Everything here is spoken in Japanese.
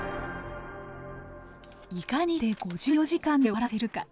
いかにして５４時間で終わらせるか。